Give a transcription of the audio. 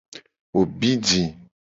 Wo bi ji.